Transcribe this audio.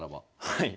はい。